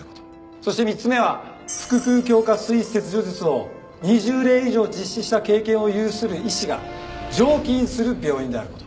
そして３つ目は腹腔鏡下膵切除術を２０例以上実施した経験を有する医師が常勤する病院である事。